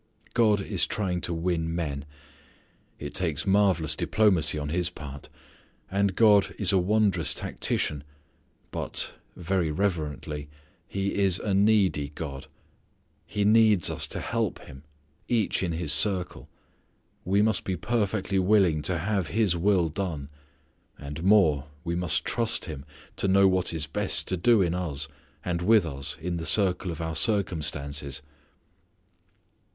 God is trying to win men. It takes marvellous diplomacy on His part. And God is a wondrous tactician. But very reverently He is a needy God. He needs us to help Him, each in his circle. We must be perfectly willing to have His will done; and more, we must trust Him to know what is best to do in us and with us in the circle of our circumstances.